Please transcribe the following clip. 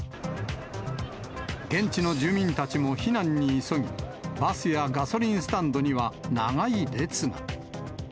現地の住民たちも避難に急ぎ、バスやガソリンスタンドには長い列が。